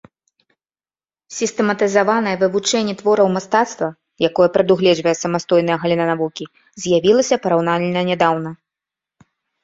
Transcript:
Сістэматызаванае вывучэнне твораў мастацтва, якое прадугледжвае самастойная галіна навукі, з'явілася параўнальна нядаўна.